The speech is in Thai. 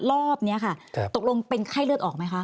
รอบนี้ค่ะตกลงเป็นไข้เลือดออกไหมคะ